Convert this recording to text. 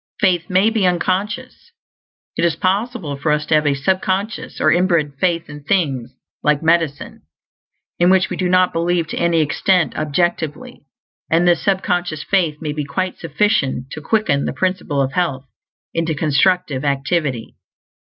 Faith may be unconscious. It is possible for us to have a sub conscious or inbred faith in things like medicine, in which we do not believe to any extent objectively; and this sub conscious faith may be quite sufficient to quicken the Principle of Health into constructive activity.